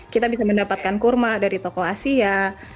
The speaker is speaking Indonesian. kita bisa mendapatkan kurma dari toko asia